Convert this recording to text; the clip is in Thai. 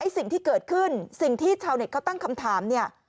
สิ่งที่เกิดขึ้นสิ่งที่ชาวเน็ตเขาตั้งคำถามเนี่ย